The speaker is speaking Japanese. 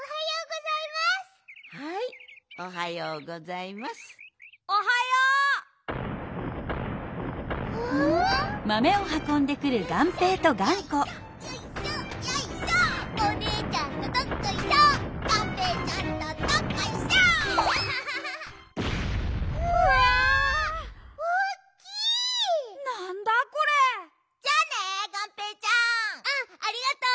うんありがとう！